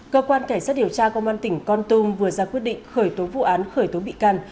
cơ quan cảnh sát điều tra công an tỉnh con tum vừa ra quyết định khởi tố vụ án khởi tố bị can